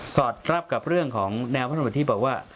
สอดรับกับเรื่องของแนวพัฒนบุตรที่บอกว่า